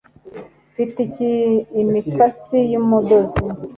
Mfite iki imikasi y umudozi